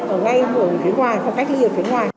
ở ngay phòng cứu